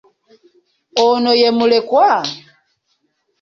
Ono ye mulekwa?